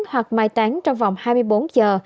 hoặc mai tán trong vòng hai mươi bốn giờ